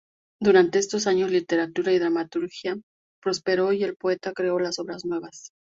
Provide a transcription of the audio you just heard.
Durante estos años literatura y dramaturgia prosperó y el poeta creó las obras nuevas.